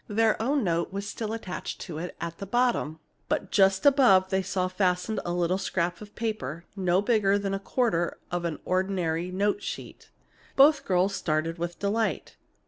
Their own note was still attached to it at the bottom, but just above it they saw fastened a little scrap of paper, no bigger than a quarter of an ordinary note sheet. Both girls started with delight.